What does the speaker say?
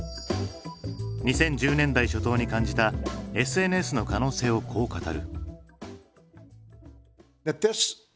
２０１０年代初頭に感じたＳＮＳの可能性をこう語る。